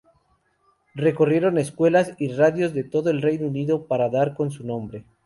Recorrieron escuelas y radios de todo el Reino Unido para dar con su nombre.